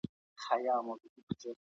علمي پرمختګ د خلګو د مطالعې سره تړاو لري.